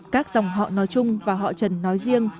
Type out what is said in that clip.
các dòng họ nói chung và họ trần nói riêng